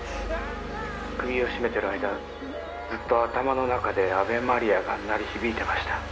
「首を絞めている間ずっと頭の中で『アヴェ・マリア』が鳴り響いてました」